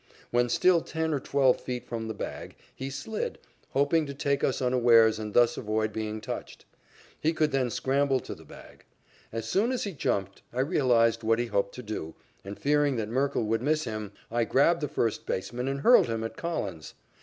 When still ten or twelve feet from the bag, he slid, hoping to take us unawares and thus avoid being touched. He could then scramble to the bag. As soon as he jumped, I realized what he hoped to do, and, fearing that Merkle would miss him, I grabbed the first baseman and hurled him at Collins.